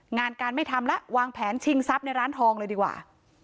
งานการไม่ทำแล้ววางแผนชิงทรัพย์ในร้านทองเลยดีกว่า